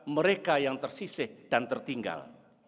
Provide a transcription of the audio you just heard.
mereka yang tersisih dan tertinggal